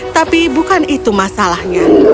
tapi bukan itu masalahnya